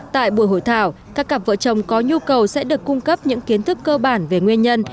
tại buổi hội thảo các cặp vợ chồng có nhu cầu sẽ được cung cấp những kiến thức cơ bản về nguyên nhân